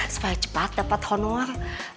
supaya cepat dapet honor